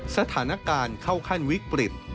สถานการณ์เข้าขั้นวิกฤต